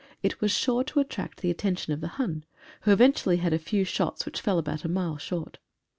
It was sure to attract the attention of the Hun, who eventually had a few shots which fell about a mile short.